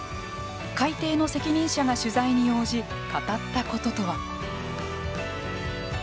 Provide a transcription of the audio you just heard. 改訂の責任者が取材に応じ語ったこととは。